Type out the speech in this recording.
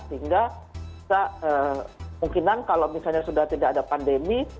sehingga kemungkinan kalau misalnya sudah tidak ada pandemi